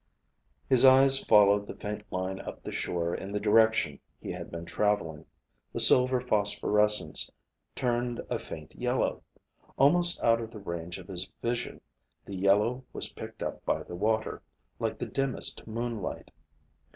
His eyes followed the faint line up the shore in the direction he had been traveling. The silver phosphorescence turned a faint yellow. Almost out of the range of his vision the yellow was picked up by the water, like the dimmest moonlight.